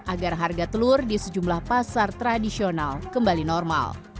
agar harga telur di sejumlah pasar tradisional kembali normal